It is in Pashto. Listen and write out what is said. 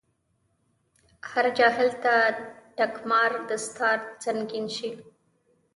هر جاهل ته دټګمار دستار سنګين شي